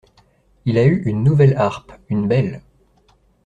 Il a eu une nouvelle harpe, une belle.